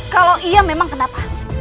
kalau iya memang kenapa